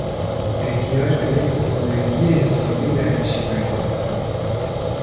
احتیاج به یک اردنگی حسابی در نشیمنگاه دارد!